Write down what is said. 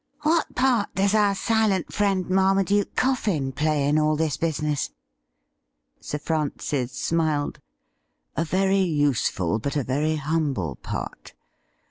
What part does our silent friend, Marma duke Coffin, play in all this business ?' Sir Francis smiled. ' A very useful but a very humble part.